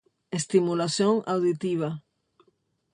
Estimulación auditiva.